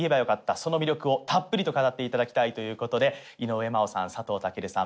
その魅力をたっぷりと語っていただきたいということで井上真央さん佐藤健さん